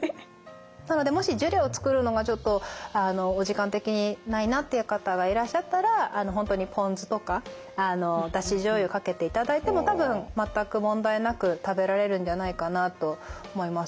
もしジュレを作るのがちょっとお時間的にないなっていう方がいらっしゃったら本当にポン酢とかだしじょうゆかけていただいても多分全く問題なく食べられるんじゃないかなと思います。